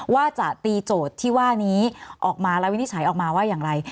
ว่าจะตีโจทย์ที่ว่านี้ออกมาและวินิจฉัยออกมาว่าอย่างไร